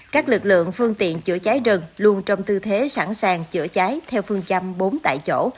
các lực lượng phương tiện chữa cháy rừng luôn trong tư thế sẵn sàng chữa cháy theo phương châm bốn tại chỗ